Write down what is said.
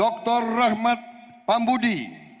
doktor rahmat pambudi